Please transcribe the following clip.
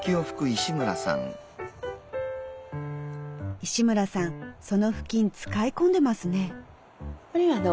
石村さんその布巾使い込んでますね。